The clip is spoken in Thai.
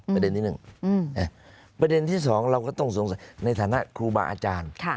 เคสตัดดี้เลยค่ะค่ะ